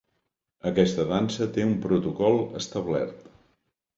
Aquesta dansa té un protocol establert.